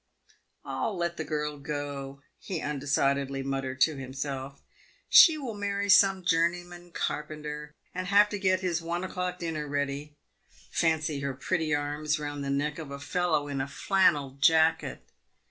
"I'll let the girl go," he undecidedly muttered to himself. " She will marry some journeyman carpenter, and have to get his one o'clock dinner ready. Fancy her pretty arms round the neck of a fellow in a flannel jacket